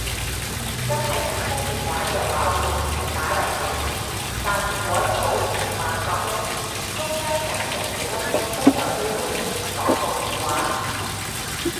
真係緊急電話嘅話會連續打嚟幾次，但如果早午晚各一次中間隔成幾粒鐘都有機會係廣告電話